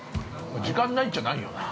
◆時間ないっちゃないよな。